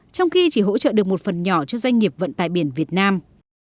trong khi chỉ hỗ trợ được một phần nhỏ cho doanh nghiệp vận tải biển việt nam